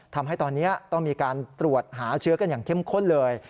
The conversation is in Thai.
ทำให้ตอนนี้ต้องมีการตรวจหาเชื้อกันอย่างเข้มข้นเลย